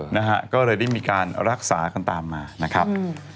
นะฮะก็เลยได้มีการรักษากันตามมานะครับอืม